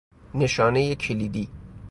نشانه کلیدی